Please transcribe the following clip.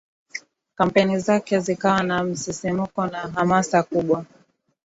Kampeni zake zikawa na msisimko na hamasa kubwa